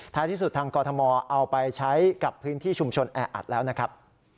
ที่สุดทางกรทมเอาไปใช้กับพื้นที่ชุมชนแออัดแล้วนะครับ